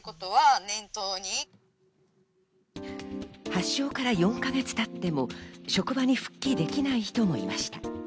発症から４か月たっても職場に復帰できない人もいました。